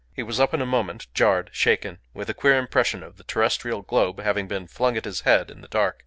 He was up in a moment, jarred, shaken, with a queer impression of the terrestrial globe having been flung at his head in the dark.